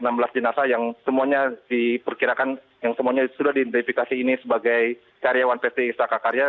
enam belas jenazah yang semuanya diperkirakan yang semuanya sudah diidentifikasi ini sebagai karyawan pt istaka karya